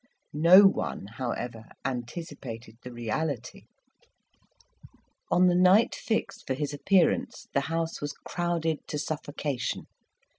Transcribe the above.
No one, however, anticipated the reality. On the night fixed for his appearance the house was crowded to suffocation.